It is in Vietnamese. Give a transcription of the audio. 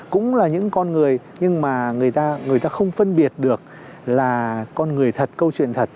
cũng là những con người nhưng mà người ta không phân biệt được là con người thật câu chuyện thật